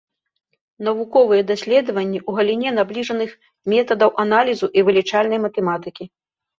Навуковыя даследаванні ў галіне набліжаных метадаў аналізу і вылічальнай матэматыкі.